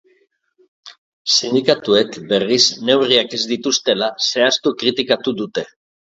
Sindikatuek, berriz, neurriak ez dituztela zehaztu kritikatu dute.